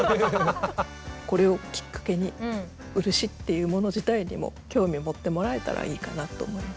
これをきっかけに漆っていうもの自体にも興味を持ってもらえたらいいかなと思います。